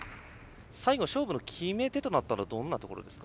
最後、勝負の決め手となったのはどんなところですか？